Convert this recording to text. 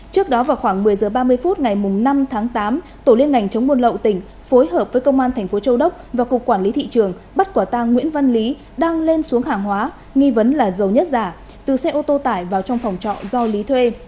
trước đó vào khoảng một mươi h ba mươi phút ngày năm tháng tám tổ liên ngành chống buôn lậu tỉnh phối hợp với công an thành phố châu đốc và cục quản lý thị trường bắt quả tang nguyễn văn lý đang lên xuống hàng hóa nghi vấn là dầu nhất giả từ xe ô tô tải vào trong phòng trọ do lý thuê